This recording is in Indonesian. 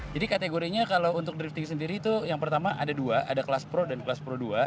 jadi kategorinya kalau untuk drifting sendiri itu yang pertama ada dua ada kelas pro dan kelas pro dua